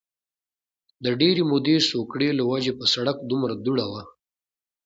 د ډېرې مودې سوکړې له وجې په سړک دومره دوړه وه